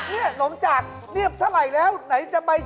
แม็กอีกหย่ามา